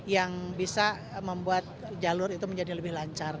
yang bisa membuat jalur itu menjadi lebih lancar